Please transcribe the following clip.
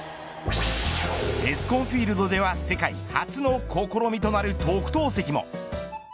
エスコンフィールドでは世界初の試みとなる特等席も。